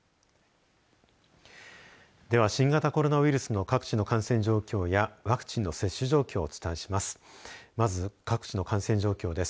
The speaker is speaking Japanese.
では新型コロナウイルスの各地の感染状況やワクチンの接種状況をお伝えします。